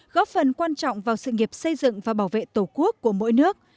góp phần quan trọng vào sự nghiệp xây dựng và bảo vệ tổ quốc của mỗi nước